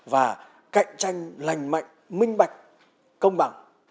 và cạnh tranh lành mạnh minh bạch công bằng